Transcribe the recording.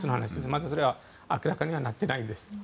まだそれは明らかになってないです。